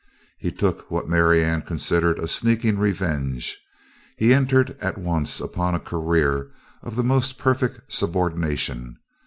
He took what Marianne considered a sneaking revenge. He entered at once upon a career of the most perfect subordination.